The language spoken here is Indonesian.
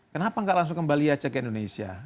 kenapa tidak langsung kembali saja ke indonesia